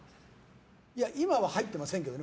いや、今は入ってませんけど。